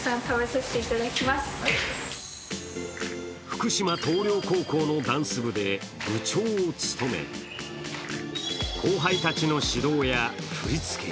福島東稜高校のダンス部で部長を務め後輩たちの指導や振り付け